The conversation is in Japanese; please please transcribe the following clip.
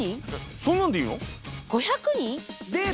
そんなんでいいの？